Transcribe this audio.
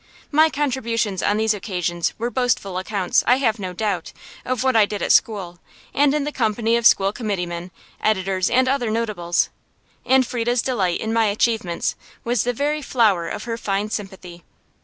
My contributions on these occasions were boastful accounts, I have no doubt, of what I did at school, and in the company of school committee men, editors, and other notables; and Frieda's delight in my achievements was the very flower of her fine sympathy.